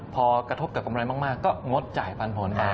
พอกระทบกับกำไรมากก็งดจ่ายปันผล